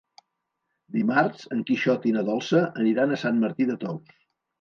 Dimarts en Quixot i na Dolça aniran a Sant Martí de Tous.